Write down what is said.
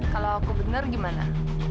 kalau aku benar gimana